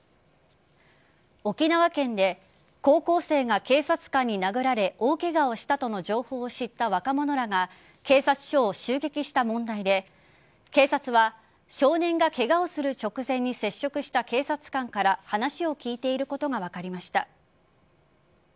沖縄県で高校生が警察官に殴られ大ケガをしたとの情報を知った若者らが警察署を襲撃した問題で警察は少年がケガをする直前に接触した警察官から話を聞いていることが分かりました。